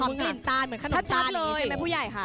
หอมกลิ่นตานเหมือนขนมตานอย่างนี้ใช่ไหมผู้ใหญ่ค่ะ